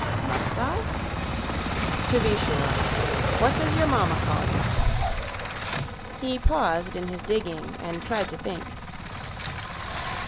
"Must I?" "To be sure. What does your mama call you?" He paused in his digging and tried to think.